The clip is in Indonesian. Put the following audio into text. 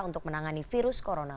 untuk menangani virus corona